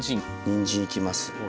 にんじんいきます。